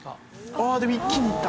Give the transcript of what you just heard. でも一気にいった。